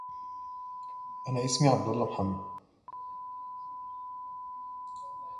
It lacked finesse, subtlety, and the European sense of history.